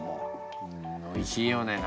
おいしいよね。